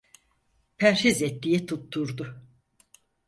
Perhiz et diye tutturdu.